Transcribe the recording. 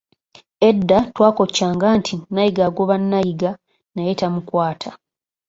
Edda twakoccanga nti nayiga agoba nayiga naye tamukwata.